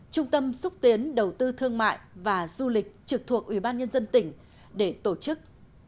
trung tâm xúc tiến đầu tư thương mại và du lịch trực thuộc ủy ban nhân dân tỉnh để tổ chức